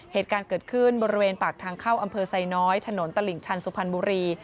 เหตุการณ์เกิดขึ้นบริเวณปากทางเข้าอำเภอไซน้อยถนนตลิ่งชันสุพรรณบุรี